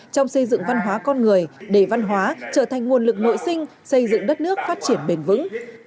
trong xây dựng văn hóa con người để văn hóa trở thành nguồn lực nội sinh xây dựng đất nước phát triển bền vững